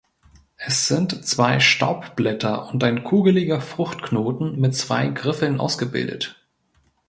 Es sind zwei Staubblätter und ein kugeliger Fruchtknoten mit zwei Griffeln ausgebildet.